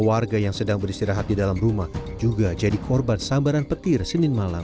warga yang sedang beristirahat di dalam rumah juga jadi korban sambaran petir senin malam